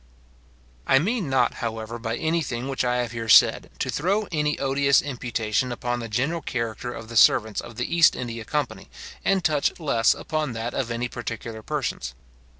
I mean not, however, by any thing which I have here said, to throw any odious imputation upon the general character of the servants of the East India company, and touch less upon that of any particular persons.